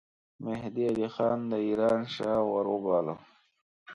مهدي علي خان د ایران شاه وروباله.